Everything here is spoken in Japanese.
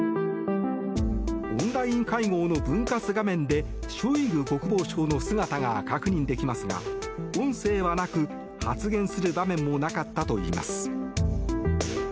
オンライン会合の分割画面でショイグ国防相の姿が確認できますが音声はなく発言する場面もなかったといいます。